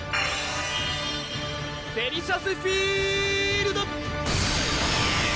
デリシャスフィールド！